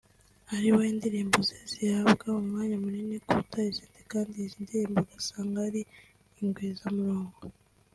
ariwe indirimbo ze zihabwa umanywa munini kuruta izindi kandi izi ndirimbo ugasanga ari ingwizamurongo